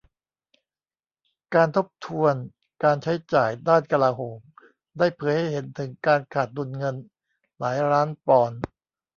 การทบทวนการใช้จ่ายด้านกลาโหมได้เผยให้เห็นถึงการขาดดุลเงินหลายล้านปอนด์